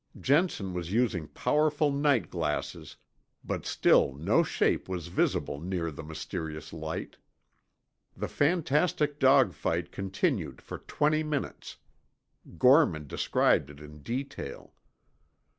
Jensen was using powerful night glasses, but still no shape was visible near the mysterious light. The fantastic dogfight continued for twenty minutes. Gorman described it in detail.